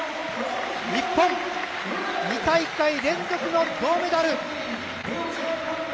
日本、２大会連続の銅メダル。